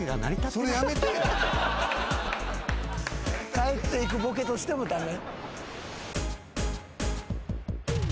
帰っていくボケとしても駄目？